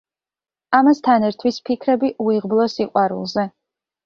ამას თან ერთვის ფიქრები უიღბლო სიყვარულზე.